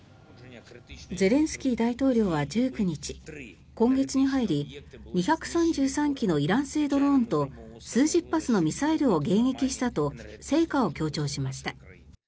ゼレンスキー大統領は１９日今月に入り２３３機のイラン製ドローンと数十発のミサイルを迎撃したと成果を強調しました。